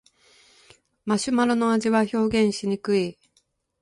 マシュマロの味は表現しにくい